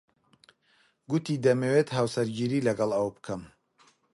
گوتی دەمەوێت هاوسەرگیری لەگەڵ ئەو بکەم.